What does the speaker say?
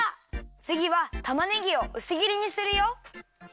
つぎはたまねぎをうすぎりにするよ。